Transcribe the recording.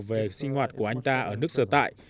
về sinh hoạt của anh ta ở nước sở tại